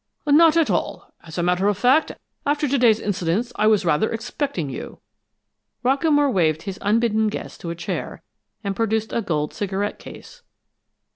"Not at all. As a matter of fact, after to day's incidents I was rather expecting you." Rockamore waved his unbidden guest to a chair, and produced a gold cigarette case.